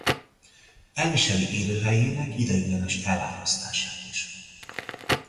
Elviseli élőhelyének ideiglenes elárasztását is.